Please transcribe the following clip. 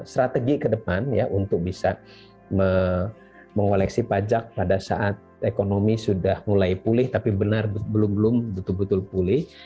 strategi ke depan untuk bisa mengoleksi pajak pada saat ekonomi sudah mulai pulih tapi belum benar benar pulih